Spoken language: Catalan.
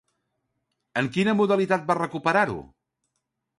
En quina modalitat va recuperar-ho?